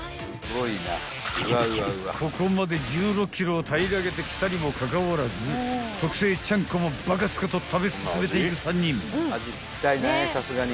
［ここまで１６ｋｇを平らげてきたにもかかわらず特製ちゃんこもバカスカと食べ進めていく３人］